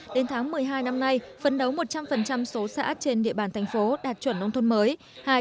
đến tháng một mươi hai năm nay phấn đấu một trăm linh số xã trên địa bàn thành phố đạt chuẩn nông thôn mới